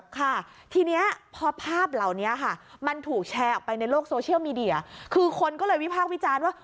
ค่ะทีนี้พอภาพเหล่านี้ค่ะมันถูกแชร์ออกไปในโลกโซเชียลมีเดียคือคนก็เลยวิพากษ์วิจารณ์ว่า